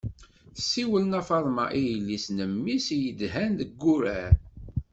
Tessiwel nna faḍma i yelli-s n mmi-s i yedhan deg wurar.